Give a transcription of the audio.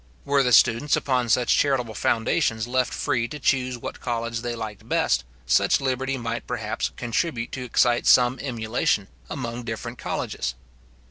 Were the students upon such charitable foundations left free to choose what college they liked best, such liberty might perhaps contribute to excite some emulation among different colleges.